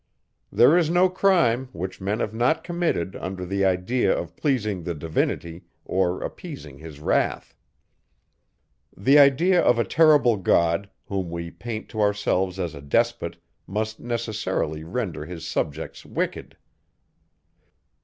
There is no crime, which men have not committed under the idea of pleasing the Divinity, or appeasing his wrath. The idea of a terrible God, whom we paint to ourselves as a despot, must necessarily render his subjects wicked.